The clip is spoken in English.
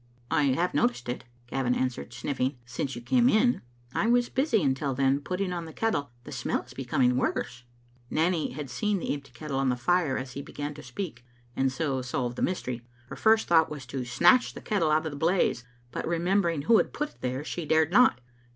"I have noticed it," Gavin answered, sniffing, "since you came in. I was busy until then, putting on the kettle. The smell is becoming worse." Nanny had seen the empty kettle on the fire as he began to speak, and so solved the mystery. Her first thought was to snatch the kettle out of the blaze, but remembering who had put it there, she dared not.